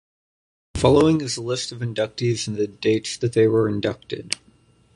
Following is a list of inductees and the dates that they were inducted.